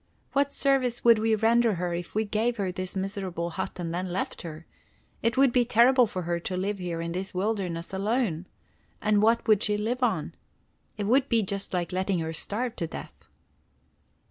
What service would we render her if we gave her this miserable hut and then left her? It would be terrible for her to live here in this wilderness alone! And what would she live on? It would be just like letting her starve to death."